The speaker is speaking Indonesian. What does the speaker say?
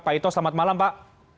pak ito selamat malam pak